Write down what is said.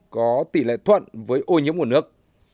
có tỷ lệ thuận với ô nhiễm nguồn nước